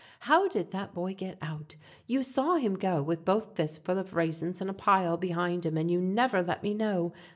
How did that boy get out? You saw him go With both fists full of raisins and a pile Behind him, and you never let me know!